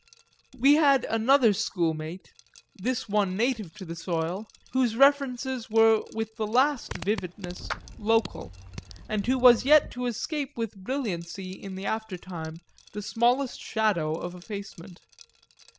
We had another schoolmate, this one native to the soil, whose references were with the last vividness local and who was yet to escape with brilliancy in the aftertime the smallest shadow of effacement.